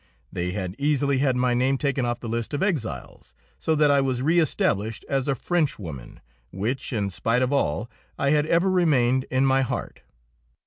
They had easily had my name taken off the list of exiles, so that I was reëstablished as a Frenchwoman, which, in spite of all, I had ever remained in my heart.